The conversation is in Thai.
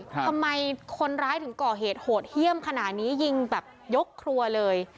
ทำไมคนร้ายถึงก่อเหตุโหดเยี่ยมขนาดนี้ยิงแบบยกครัวเลย